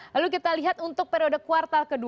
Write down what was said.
lalu kita lihat untuk periode kuartal ke dua